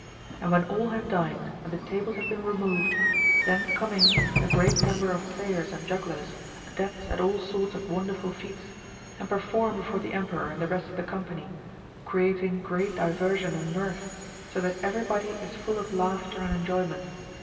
And when all have dined and the tables have been removed, then come in a great number of players and jugglers, adepts at all sorts of wonderful feats, ^ and perform before the Emperor and the rest of the company, creating great 384 MARCO POLO Book II. diversion and mirth, so that everybody is full of laughter and enjoyment.